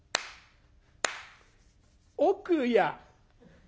「奥や」。